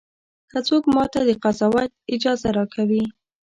که څوک ماته د قضاوت اجازه راکوي.